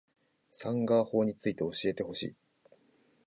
サンガ―法について教えてほしい